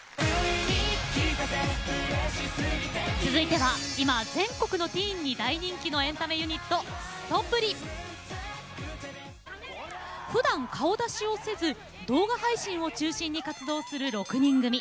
続いては今全国のティーンに大人気のふだん顔出しをせず動画配信を中心に活動する６人組。